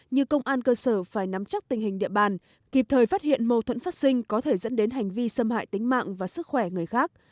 như công an cơ sở phải nắm chắc tình hình địa bàn kịp thời phát hiện mâu thuẫn phát sinh có thể dẫn đến hành vi xâm hại tính mạng và sức khỏe người khác